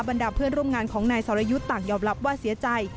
บรรดาเพื่อนร่วมงานของนายสรยุทธ์ต่างยอมรับว่าเสียใจ